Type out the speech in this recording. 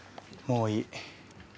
もういい。